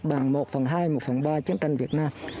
bằng một phần hai một phần ba chiến tranh việt nam